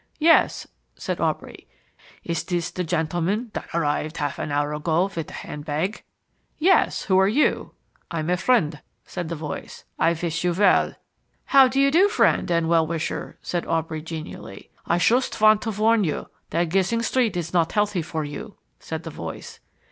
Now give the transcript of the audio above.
"Yes," said Aubrey. "Is this the gentleman that arrived half an hour ago with a handbag?" "Yes; who are you?" "I'm a friend," said the voice; "I wish you well." "How do you do, friend and well wisher," said Aubrey genially. "I schust want to warn you that Gissing Street is not healthy for you," said the voice.